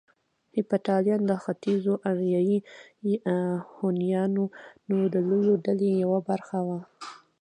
هېپتاليان د ختيځو اریایي هونيانو د لويې ډلې يوه برخه وو